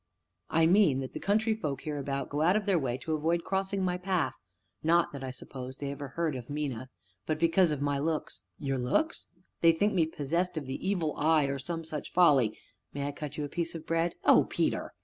"I mean that the country folk hereabout go out of their way to avoid crossing my path not that, I suppose, they ever heard of Mina, but because of my looks." "Your looks?" "They think me possessed of the 'Evil Eye' or some such folly may I cut you a piece of bread?" "Oh, Peter!"